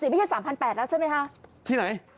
ไม่ใช่๓๘๐๐แล้วใช่ไหมคะที่ไหน